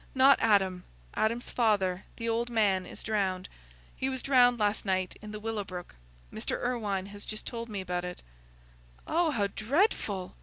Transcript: "Not Adam. Adam's father, the old man, is drowned. He was drowned last night in the Willow Brook. Mr. Irwine has just told me about it." "Oh, how dreadful!"